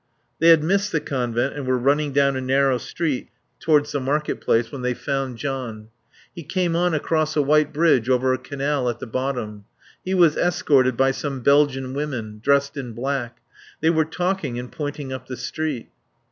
They had missed the Convent and were running down a narrow street towards the Market Place when they found John. He came on across a white bridge over a canal at the bottom. He was escorted by some Belgian women, dressed in black; they were talking and pointing up the street.